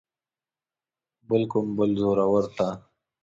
بل کوم بل زورور ته.